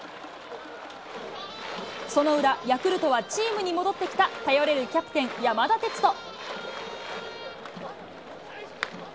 その裏、ヤクルトはチームに戻ってきた頼れるキャプテン、山田哲人。